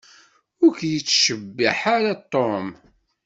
Ur k-yettcabah ara Tom.